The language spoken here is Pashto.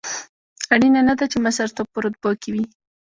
اړینه نه ده چې مشرتوب په رتبو کې وي.